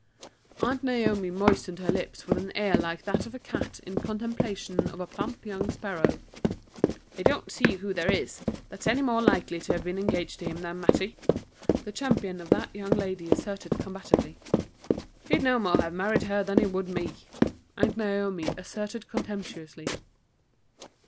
Aunt Naomi moistened her lips with an air like that of a cat in contemplation of a plump young sparrow. "I don't see who there is that's any more likely to have been engaged to him than Mattie," the champion of that young lady asserted combatively. "He'd no more have married her than he would me," Aunt Naomi asserted contemptuously.